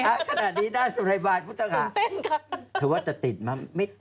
คราวนี้หน้าสุรายบาลพุทธค่ะถึงว่าจะติดมั้ย